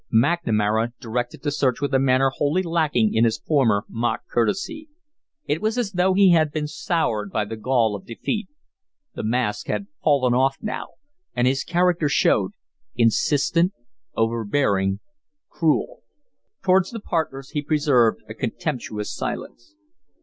McNamara directed the search with a manner wholly lacking in his former mock courtesy. It was as though he had been soured by the gall of defeat. The mask had fallen off now, and his character showed insistent, overbearing, cruel. Towards the partners he preserved a contemptuous silence.